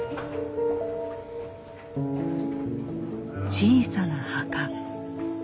小さな墓。